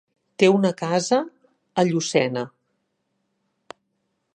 Té una casa a Llucena.